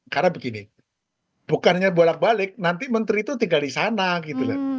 karena begini bukannya bolak balik nanti menteri itu tinggal di sana gitu